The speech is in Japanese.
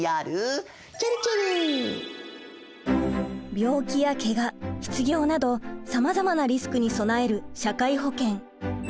病気やケガ失業などさまざまなリスクに備える社会保険。